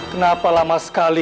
kenapa lama sekali